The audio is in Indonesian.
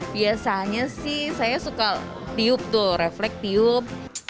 biasanya sih saya suka tiup tuh refleks tiup